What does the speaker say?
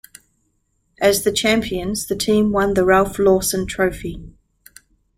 As the champions, the team won the Ralph Lawson Trophy.